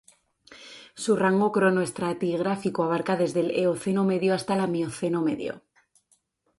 Su rango cronoestratigráfico abarca desde el Eoceno medio hasta la Mioceno medio.